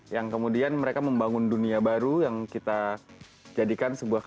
yang kemudian mereka membangun dunia baru yang kita jadikan sebuah